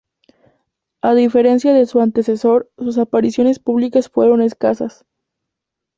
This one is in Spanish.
A diferencia de su antecesor, sus apariciones públicas fueron escasas.